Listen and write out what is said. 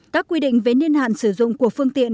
các quy định về niên hạn sử dụng của phương tiện